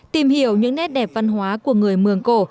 tìm hiểu những nét đẹp văn hóa của người mường cổ